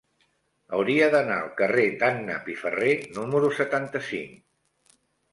Hauria d'anar al carrer d'Anna Piferrer número setanta-cinc.